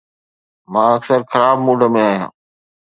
مان اڪثر خراب موڊ ۾ آهيان